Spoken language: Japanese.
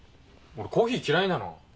俺コーヒー嫌いなの。